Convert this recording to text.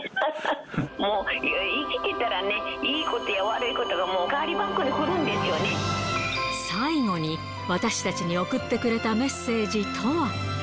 もう、生きてたらね、いいことや悪いことがもう、最後に私たちに贈ってくれたメッセージとは。